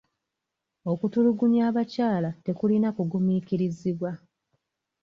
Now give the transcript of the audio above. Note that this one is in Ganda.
Okutulugunya abakyala tekulina kugumiikirizibwa.